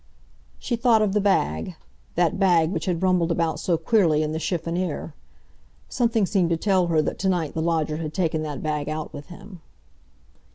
She thought of the bag—that bag which had rumbled about so queerly in the chiffonnier. Something seemed to tell her that tonight the lodger had taken that bag out with him.